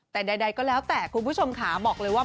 แต่ใดก็แล้วแต่คุณผู้ชมค่ะบอกเลยว่า